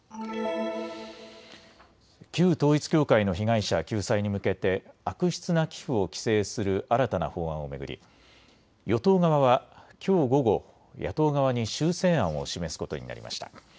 旧統一教会の被害者救済に向けて悪質な寄付を規制する新たな法案を巡り与党側はきょう午後、野党側に修正案を示すことになりました。